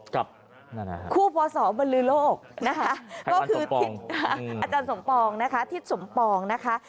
กับคู่พศบรรลีโลกนะคะก็คือทิศสมปองนะคะ